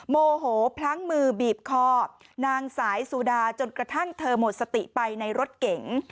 โมโหพลั้งมือบีบคอนางสายสุดาจนกระทั่งเธอหมดสติไปในรถเก๋ง